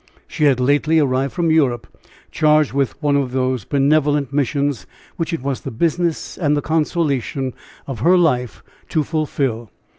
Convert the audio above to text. She had lately arrived from Europe, charged with one of those benevolent missions which it was the business and the consolation of her life to fulfill.